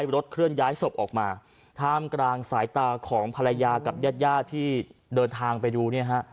รถเคลื่อนย้ายศพออกมาธามกลางสายตาของผลญากับญาติแย่ดที่เดินทางไปดูนะฮะ